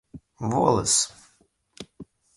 волос